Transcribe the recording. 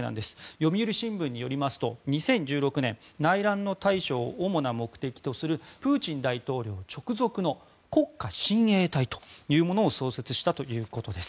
読売新聞によりますと２０１６年内乱の対処を主な目的とするプーチン大統領直属の国家親衛隊というものを創設したということです。